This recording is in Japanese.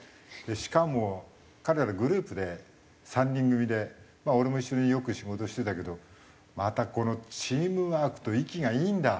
しかも彼らグループで３人組でまあ俺も一緒によく仕事してたけどまたこのチームワークと息がいいんだ。